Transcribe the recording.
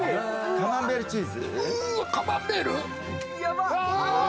カマンベールチーズ。